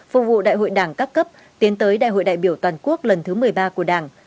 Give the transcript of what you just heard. phục vụ đại hội đảng các cấp tiến tới đại hội đại biểu toàn quốc lần thứ một mươi ba của đảng